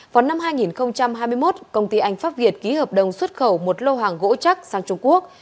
vào năm hai nghìn hai mươi một công ty anh pháp việt ký hợp đồng xuất khẩu một lô hàng gỗ chắc sang trung quốc